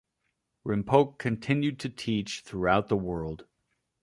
Rinpoche continued to teach throughout the world.